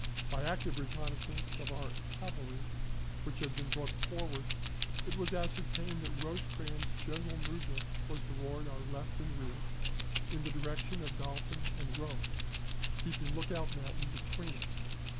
By active reconnaissance of our cavalry, which had been brought forward, it was ascertained that Rosecrans's general movement was toward our left and rear, in the direction of Dalton and Rome, keeping Lookout Mountain between us.